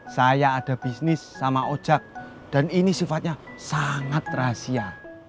saya ada bisnis sama ojek dan ini sifatnya sangat rahasia